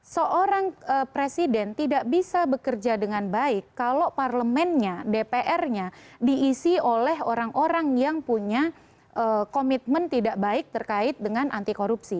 seorang presiden tidak bisa bekerja dengan baik kalau parlemennya dpr nya diisi oleh orang orang yang punya komitmen tidak baik terkait dengan anti korupsi